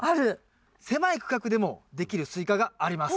狭い区画でもできるスイカがあります。